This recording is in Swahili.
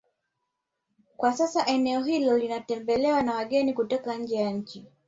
Kwa sasa eneo hilo linatembelewa na wageni kutoka nje ya nchi